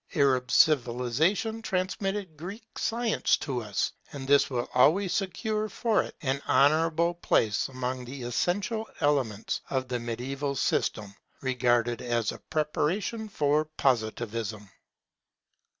Arab civilization transmitted Greek science to us: and this will always secure for it an honourable place among the essential elements of the mediaeval system, regarded as a preparation for Positivism.